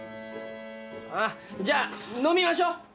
あっじゃあ飲みましょう！